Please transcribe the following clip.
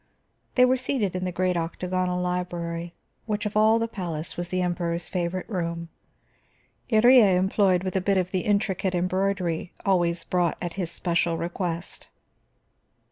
They were seated in the great octagonal library, which of all the palace was the Emperor's favorite room, Iría employed with a bit of the intricate embroidery always brought at his especial request.